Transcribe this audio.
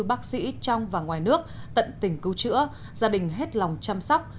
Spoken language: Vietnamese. bác sĩ trong và ngoài nước tận tình cứu chữa gia đình hết lòng chăm sóc